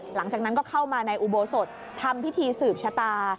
หลังจากนั้นก็เข้ามาในอุโบสถทำพิธีสืบชะตา